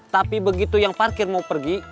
tapi begitu yang parkir mau pergi